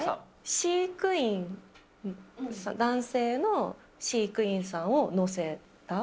飼育員、男性の飼育員さんを載せた？